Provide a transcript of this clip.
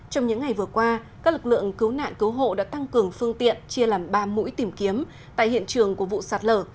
trong những ngày vừa qua các lực lượng cứu nạn cứu hộ đã tăng cường phương tiện chia làm ba mũi tìm kiếm tại hiện trường của vụ sạt lở